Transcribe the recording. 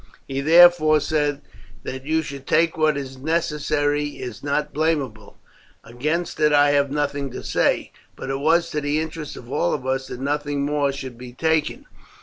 He therefore said, "That you should take what is necessary is not blamable, against it I have nothing to say; but it was to the interest of all of us that nothing more should be taken.